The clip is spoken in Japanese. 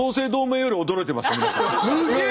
すげえ！